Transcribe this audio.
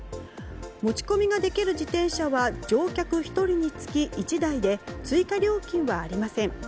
持ち込みができる自転車は乗客１人につき１台で追加料金はありません。